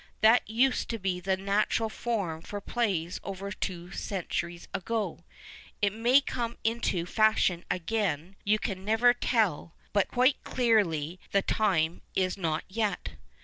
That used to be the natural form for plays over two centuries ago. It may come into fashion again, you never can tell, but, quite clearly, the time is not yet.